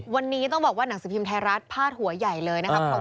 วันนี้ต้องบอกว่าหนังสือพิมพ์ไทยรัฐพาดหัวใหญ่เลยนะครับ